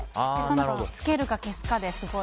つけるか消すかで、すごく。